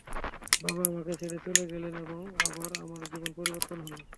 বাবা আমাকে ছেড়ে চলে গেলেন, এবং আবার আমার জীবন পরিবর্তন হলো।